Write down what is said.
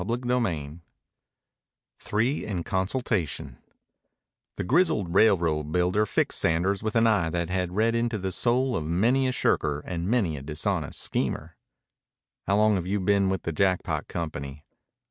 CHAPTER XXIX THREE IN CONSULTATION The grizzled railroad builder fixed Sanders with an eye that had read into the soul of many a shirker and many a dishonest schemer. "How long have you been with the Jackpot Company?"